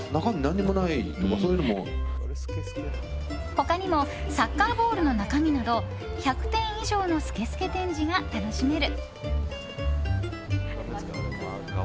他にもサッカーボールの中身など１００点以上のスケスケ展示が楽しめる。